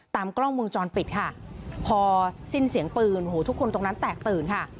กล้องวงจรปิดค่ะพอสิ้นเสียงปืนทุกคนตรงนั้นแตกตื่นค่ะ